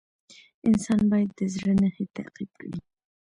انسان باید د زړه نښې تعقیب کړي.